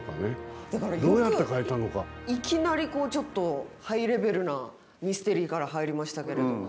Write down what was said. いきなりちょっとハイレベルなミステリーから入りましたけれども。